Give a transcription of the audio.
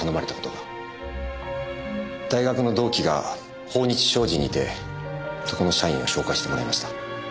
大学の同期が豊日商事にいてそこの社員を紹介してもらいました。